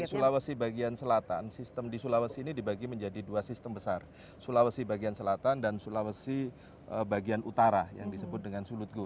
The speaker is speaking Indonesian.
jadi sulawesi bagian selatan sistem di sulawesi ini dibagi menjadi dua sistem besar sulawesi bagian selatan dan sulawesi bagian utara yang disebut dengan sulutgo